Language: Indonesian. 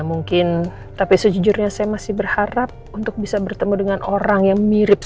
mungkin mereka mau ngabarin